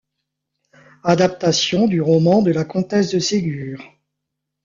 Adaptation du roman de la Comtesse de Ségur.